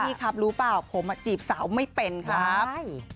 พี่ครับรู้เปล่าผมจีบสาวไม่เป็นครับ